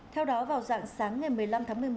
theo đó vào dạng sáng ngày một mươi năm tháng một mươi một